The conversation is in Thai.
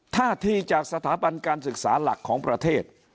ท่าทีจากสถาบันการศึกษาหลักของประเทศ